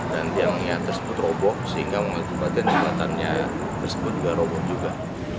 dan tiangnya tersebut roboh sehingga mengatakan jembatannya tersebut juga roboh juga